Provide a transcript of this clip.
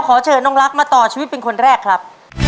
ขอเชิญน้องรักมาต่อชีวิตเป็นคนแรกครับ